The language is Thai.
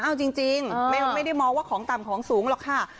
เอาจริงไม่ได้มองว่าของต่ำของสูงหรอกค่ะ